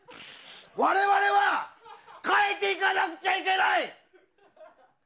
我々は変えていかなくちゃいけない！